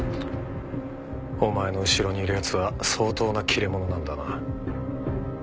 お前の後ろにいる奴は相当な切れ者なんだな。